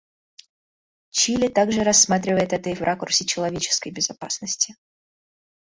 Чили также рассматривает это и в ракурсе человеческой безопасности.